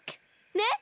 ねっ？